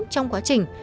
trong quá trình